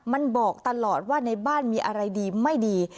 มันบอกตลอดว่าในบ้านมีอะไรดีไม่ดี